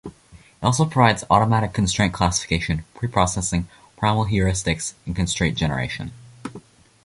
It also provides automatic constraint classification, preprocessing, primal heuristics and constraint generation.